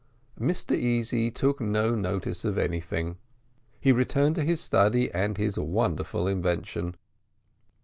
Mr Easy took no notice of anything; he returned to his study and his wonderful invention.